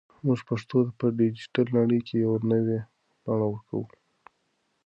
موږ پښتو ته په ډیجیټل نړۍ کې یو نوی بڼه ورکوو.